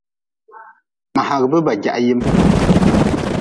Mngaagʼbe ba jah yem.